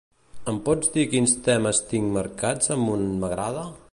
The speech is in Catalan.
Em pots dir quins temes tinc marcats amb un m'"agrada"?